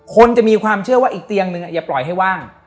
คนจะมีความเชื่อว่าอีกเตียงนึงอย่าปล่อยให้ว่าง